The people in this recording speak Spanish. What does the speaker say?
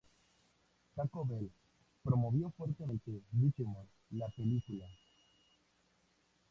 Taco Bell promovió fuertemente Digimon: La película.